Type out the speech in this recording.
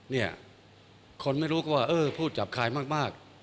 เนี่ยคนไม่รู้ก็ว่าเออพูดจับคายมาก